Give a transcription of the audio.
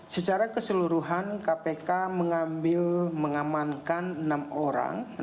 secara keseluruhan kpk mengambil mengamankan enam orang